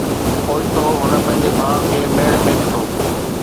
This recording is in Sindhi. اوچتو هن پنهنجي ڀاءُ کي ميڙ ۾ ڏٺو